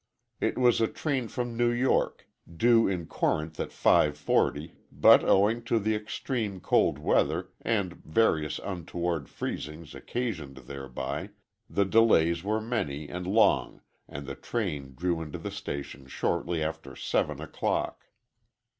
It was a train from New York, due in Corinth at five forty, but owing to the extreme cold weather, and various untoward freezings occasioned thereby, the delays were many and long and the train drew into the station shortly after seven o'clock.